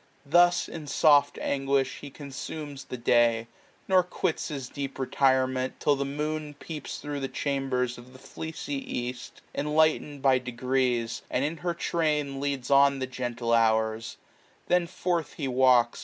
Thus in soft anguish he consumes the day, 1030 Nor quits his deep retirement, till the Moon Peeps thro* the chambers of the fleecy East, Enlightened by degrees, and in her traiii Leads on the gentle hours ; then forth he walks.